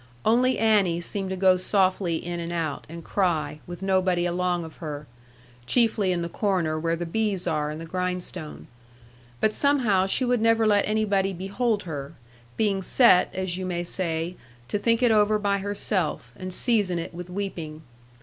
Only Annie seemed to go softly in and out, and cry, with nobody along of her, chiefly in the corner where the bees are and the grindstone. But somehow she would never let anybody behold her; being set, as you may say, to think it over by herself, and season it with weeping.